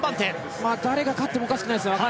誰が勝ってもおかしくない。